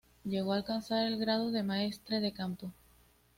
Llegó a alcanzar el grado de maestre de campo.